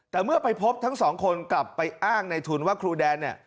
แต่เมื่อไปพบทั้งสองคนกลับไปอ้างในทุนว่าครูแดนเนี่ย